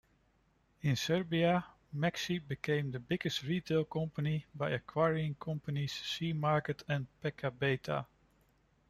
In Serbia, Maxi became the biggest retail company by acquiring companies C-market and Pekabeta.